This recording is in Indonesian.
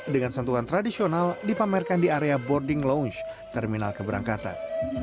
dengan sentuhan tradisional dipamerkan di area boarding lounge terminal keberangkatan